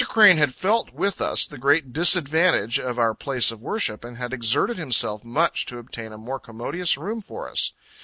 Crane had felt, with us, the great disadvantage of our place of worship, and had exerted himself much to obtain a more commodious room for us.